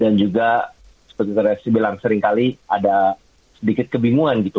dan juga seperti terasa bilang seringkali ada sedikit kebingungan gitu